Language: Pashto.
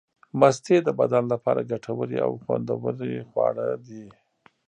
مستې د بدن لپاره ګټورې او خوندورې خواړه دي.